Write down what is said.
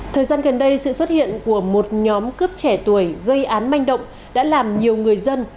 thời gian gần đây sự xuất hiện của một nhóm cướp trẻ tuổi gây án manh động đã làm nhiều người dân